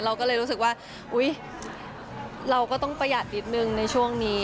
เราก็เลยรู้สึกว่าอุ๊ยเราก็ต้องประหยัดนิดนึงในช่วงนี้